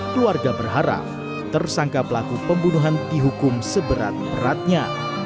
keluarga berharap tersangka pelaku pembunuhan dihukum seberat beratnya